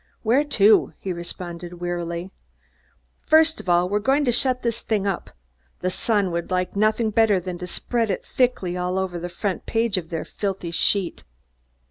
"Where to?" he responded wearily. "First of all, we're going to shut this thing up. The Sun would like nothing better than to spread it thick all over the front page of their filthy sheet."